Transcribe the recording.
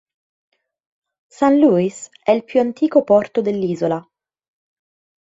Saint-Louis è il più antico porto dell'isola.